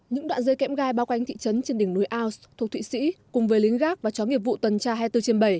những đoạn rơi kém gai bao quanh thị trấn trên đỉnh núi aos thuộc thụy sĩ cùng với lính gác và chó nghiệp vụ tần tra hai mươi bốn trên bảy